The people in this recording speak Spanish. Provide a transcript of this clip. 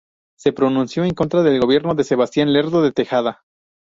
Se pronunció en contra del gobierno de Sebastián Lerdo de Tejada.